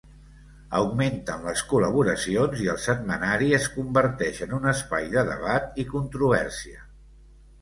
Augmenten les col·laboracions i el setmanari es converteix en un espai de debat i controvèrsia.